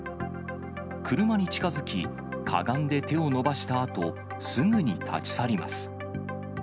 車に近づき、かがんで手を伸ばしたあと、すぐに立ち去ります。